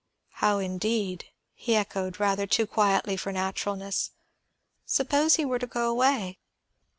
"How, indeed?" he echoed, rather too quietly for naturalness. "Suppose he were to go away?"